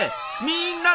みんな？